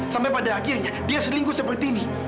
sampai pada akhirnya dia selingkuh seperti ini